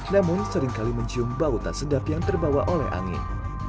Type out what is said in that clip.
namun seringkali mencium bau tak sedap yang terbawa oleh angin